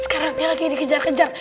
sekarang yang lagi dikejar kejar